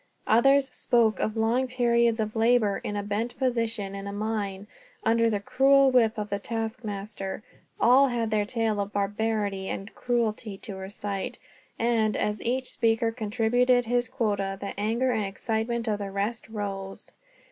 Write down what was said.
Others spoke of long periods of labor, in a bent position, in a mine, under the cruel whip of the taskmaster. All had their tale of barbarity and cruelty to recite and, as each speaker contributed his quota, the anger and excitement of the rest rose.